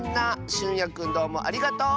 しゅんやくんどうもありがとう！